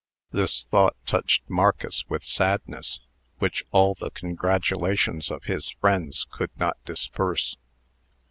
This thought touched Marcus with sadness, which all the congratulations of his friends could not disperse.